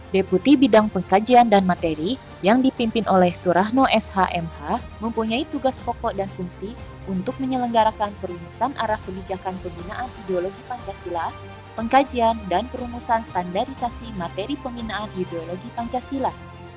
deputi bidang pengkajian dan materi yang dipimpin oleh surahno shmh mempunyai tugas pokok dan fungsi untuk menyelenggarakan perumusan arah kebijakan pembinaan ideologi pancasila pengkajian dan perumusan standarisasi materi pembinaan ideologi pancasila